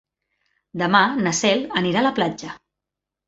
Demà na Cel anirà a la platja.